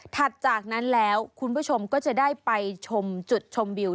จากนั้นแล้วคุณผู้ชมก็จะได้ไปชมจุดชมวิว